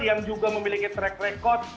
yang juga memiliki track record